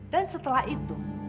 dan setelah itu